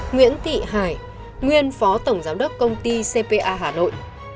nguyễn thị hải nguyên phó tổng giám đốc công ty cpa hà nội